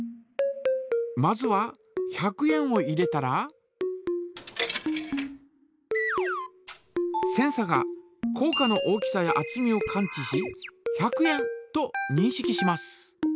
まずは１００円を入れたらセンサがこう貨の大きさやあつみを感知し「１００円」とにんしきします。